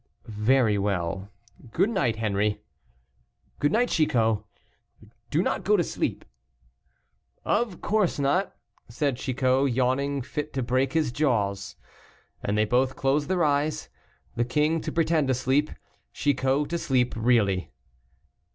"Very well; good night, Henri." "Good night, Chicot; do not go to sleep." "Of course not," said Chicot, yawning fit to break his jaws. And they both closed their eyes, the king to pretend to sleep, Chicot to sleep really.